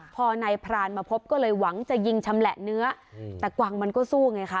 พอนายพรานมาพบก็เลยหวังจะยิงชำแหละเนื้อแต่กวางมันก็สู้ไงคะ